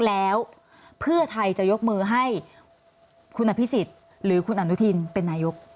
แล้วเพื่อไทยจะยกมือให้คุณอภิษฎหรือคุณอนุทินเป็นนายก